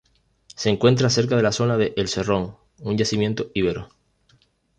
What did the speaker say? Se encuentra cerca de la zona de El Cerrón, un yacimiento ibero.